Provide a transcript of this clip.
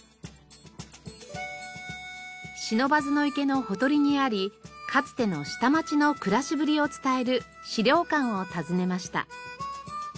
不忍池のほとりにありかつての下町の暮らしぶりを伝える資料館を訪ねました。